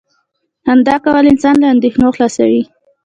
• خندا کول انسان له اندېښنو خلاصوي.